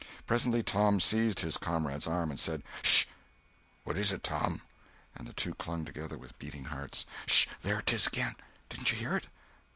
Presently Tom seized his comrade's arm and said: "Sh!" "What is it, Tom?" And the two clung together with beating hearts. "Sh! There 'tis again! Didn't you hear it?"